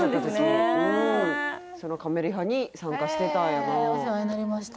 そうそのカメリハに参加してたんやなあさあ